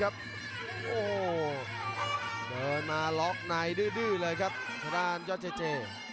เดินมาล็อกไนดื้อเลยครับข้างด้านยอดเจเจ